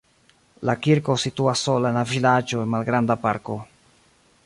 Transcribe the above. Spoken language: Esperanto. La kirko situas sola en la vilaĝo en malgranda parko.